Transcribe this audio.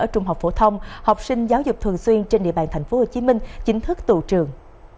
trung học phổ thông học sinh giáo dục thường xuyên trên địa bàn tp hcm chính thức tụ trường